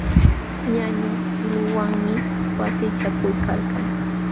Ñañu qiluwanmi wasichakuykalkan.